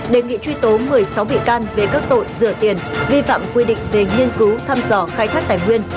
đề nghị truy tố một mươi sáu bị can về các tội rửa tiền vi phạm quy định về nghiên cứu thăm dò khai thác tài nguyên